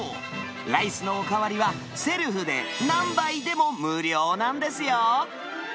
ライスのお代わりは、セルフで何杯でも無料なんですよ。